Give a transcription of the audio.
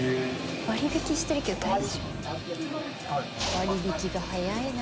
割引が早いな。